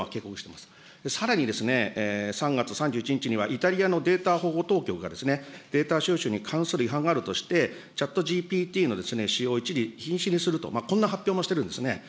さらに、３月３１日にはイタリアのデータ保護当局がデータ収集に関する違反があるとして、チャットＧＰＴの使用を一時禁止にすると、こんな発表もしてるんですね。